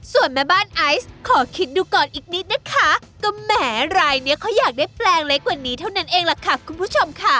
ส่วนแม่บ้านไอซ์ขอคิดดูก่อนอีกนิดนะคะก็แหมรายเนี้ยเขาอยากได้แปลงเล็กกว่านี้เท่านั้นเองล่ะค่ะคุณผู้ชมค่ะ